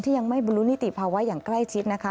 ยังไม่บรรลุนิติภาวะอย่างใกล้ชิดนะคะ